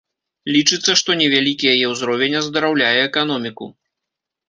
Лічыцца, што невялікі яе ўзровень аздараўляе эканоміку.